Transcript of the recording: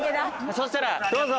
そしたらどうぞ。